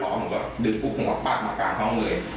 ผมก็ดึงปุ๊บผมก็ปัดมากลางห้องเลย